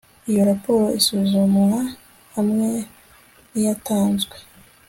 iyo raporo isuzumirwa hamwe n iyatanzwe